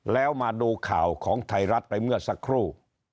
แล้วมาดูข่าวของไทยรัฐไปเมื่อสักครู่